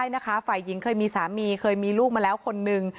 และผู้จัดโจมตีก็ไม่ได้ไหวยิงเคยมีสามีเคยมีลูกมาแล้วคนหนึ่ง